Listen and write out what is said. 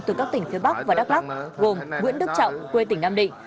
từ các tỉnh phía bắc và đắk lắk gồm nguyễn đức trọng quê tỉnh nam định